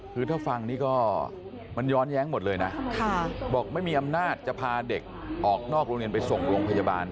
คือถ้าฟังนี่ก็มันย้อนแย้งหมดเลยนะบอกไม่มีอำนาจจะพาเด็กออกนอกโรงเรียนไปส่งโรงพยาบาล